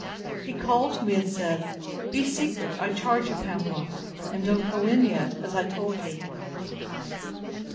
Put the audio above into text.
He called to me, and said, Be secret; I charge you, Pamela; and don't go in yet, as I told you.